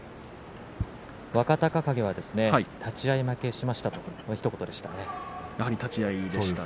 若隆景は立ち合い負けしましたそのひと言でした。